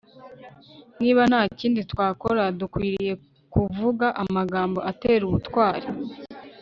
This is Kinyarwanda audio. niba nta kindi twakora, dukwiriye kuvuga amagambo atera ubutwari